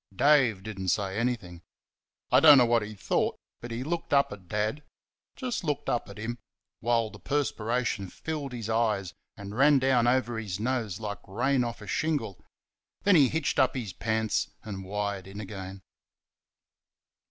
Dave did n't say anything. I don't know what he thought, but he looked up at Dad just looked up at him while the perspiration filled his eyes and ran down over his nose like rain off a shingle; then he hitched up his pants and "wired in" again.